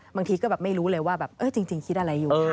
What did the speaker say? บางทีก็ไม่รู้เลยว่าจริงคิดอะไรอยู่